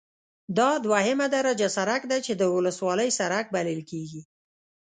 دا دوهمه درجه سرک دی چې د ولسوالۍ سرک بلل کیږي